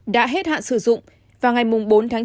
đã hết hạn sử dụng vào ngày một mươi bốn tháng chín